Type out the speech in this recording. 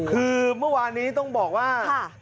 คือเมื่อวานนี้ต้องบอกว่า